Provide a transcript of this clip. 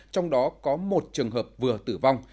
trong đó có một trường hợp vừa tử vong